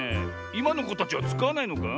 いまのこたちはつかわないのか？